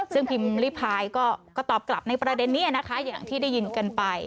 ซึ่งพิมพ์ริพายก็ตอบกลับในประเด็นนี้นะคะอย่างที่ได้ยินกันไป